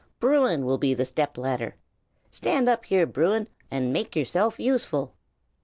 "Bruin will be the step ladder. Stand up here, Bruin, and make yourself useful."